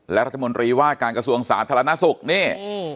และรัฐมนตรีว่าการกระทรวงสาธารณสุขนี่